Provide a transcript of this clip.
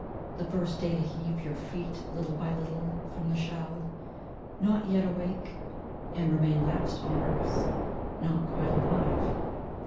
The first day to heave your feet little by little from the shell, Not yet awake, And remain lapsed on earth, Not quite alive.